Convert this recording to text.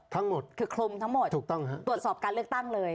ทั้งหมดคือคลุมทั้งหมดตรวจสอบการเลือกตั้งเลย